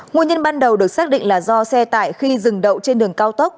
nguyên nhân ban đầu được xác định là do xe tải khi dừng đậu trên đường cao tốc